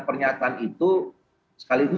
pernyataan itu sekaligus